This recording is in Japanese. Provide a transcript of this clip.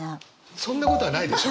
そんなことはないでしょ？